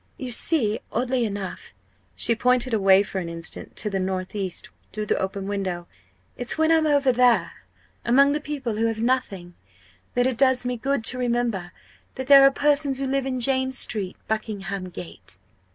"You see oddly enough" she pointed away for an instant to the north east through the open window "it's when I'm over there among the people who have nothing that it does me good to remember that there are persons who live in James Street, Buckingham Gate!"